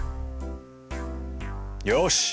「よし！